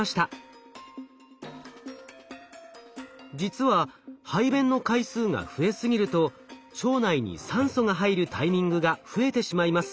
実は排便の回数が増えすぎると腸内に酸素が入るタイミングが増えてしまいます。